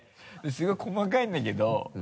すごい細かいんだけど。